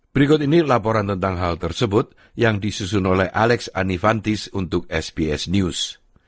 berikut ini laporan tentang hal tersebut yang disusun oleh alex anifantis untuk sbs news